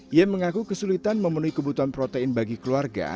ia mengaku kesulitan memenuhi kebutuhan protein bagi keluarga